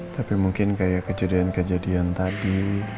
tapi mungkin kayak kejadian kejadian tadi